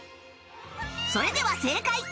それでは正解